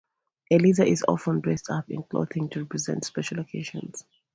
Eliza is often dressed up in clothing to represent special occasions.